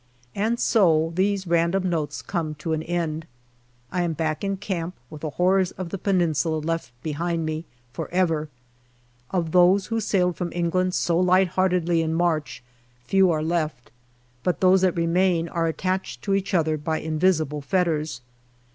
And so these random notes come to an end. I am back in camp with the horrors of the Peninsula left behind me for ever. Of those who sailed from England so lightheartedly in March, few are left, but those that remain are attached to each other by invisible fetters.